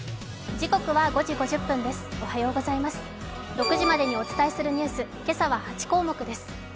６時までにお伝えするニュース、今朝は８項目です。